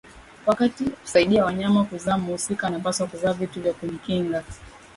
Wakati wa kusaidia wanyama kuzaa mhusika anapaswa kuvaa vitu vya kumkinga